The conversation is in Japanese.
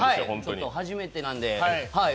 初めてなんで。